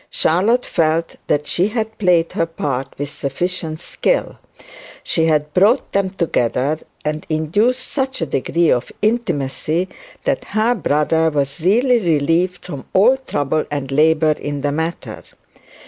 Charlotte felt that she had played her part with sufficient skill. She had brought them together and induced such a degree of intimacy, that her brother was really relieved from all trouble and labour in the matter.